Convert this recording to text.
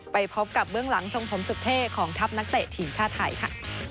ไปพบกับเบื้องหลังทรงผมสุดเท่ของทัพนักเตะทีมชาติไทยค่ะ